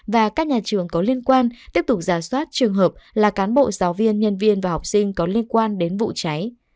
và các nhà trường có liên quan tiếp tục giả soát trường hợp là cán bộ giáo viên nhân viên và học sinh có liên quan đến vụ cháy